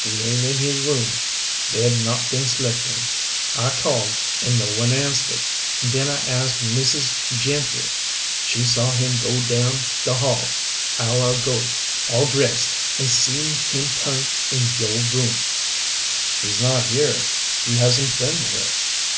He ain't in his room. Bed not been slept in. I called and no one answered. Den I ask Mrs. Gentry she saw him go down the hall hour ago, all dressed, and seen him turn in yo' room " "He's not here. He hasn't been here."